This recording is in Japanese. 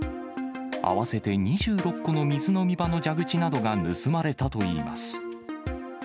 合わせて２６個の水飲み場の蛇口などが盗まれたといいます。